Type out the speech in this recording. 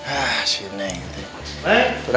ah si neng tuh